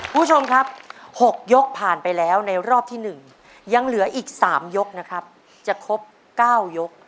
คุณผู้ชมครับ๖ยกผ่านไปแล้วในรอบที่๑ยังเหลืออีก๓ยกนะครับจะครบ๙ยก